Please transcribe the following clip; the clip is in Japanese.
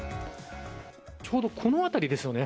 ちょうどこの辺りですよね。